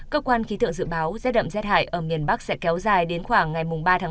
cơ quan khí tượng dự báo rét đậm rét hải ở miền bắc sẽ kéo dài đến khoảng ngày ba ba